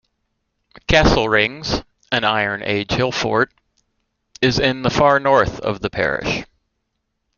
Castle Rings, an Iron Age hillfort, is in the far north of the parish.